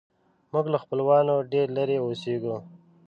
موږ له خپلوانو ډېر لیرې اوسیږو